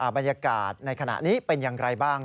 บรรยากาศในขณะนี้เป็นอย่างไรบ้าง